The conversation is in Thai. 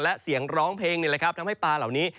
และเสียงร้องเพลงนี่แหละครับทำให้ปลาเหล่านี้